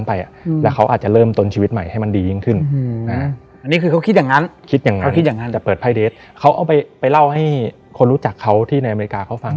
ไปเล่าให้คนรู้จักเขาที่ในอเมริกาเขาฟัง